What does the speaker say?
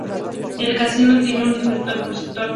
El Casino tiene a un inspector por sector.